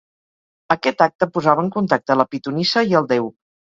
Aquest acte posava en contacte la pitonissa i el déu.